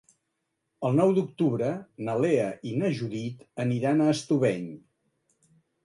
El nou d'octubre na Lea i na Judit aniran a Estubeny.